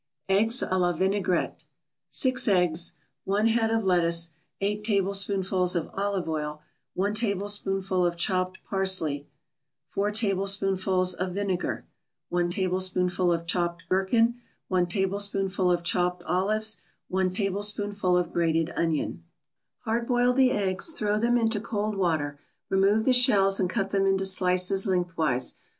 EGGS A LA VINAIGRETTE 6 eggs 1 head of lettuce 8 tablespoonfuls of olive oil 1 tablespoonful of chopped parsley 4 tablespoonfuls of vinegar 1 tablespoonful of chopped gherkin 1 tablespoonful of chopped olives 1 tablespoonful of grated onion Hard boil the eggs, throw them into cold water; remove the shells and cut them into slices lengthwise.